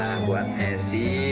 lah buat esi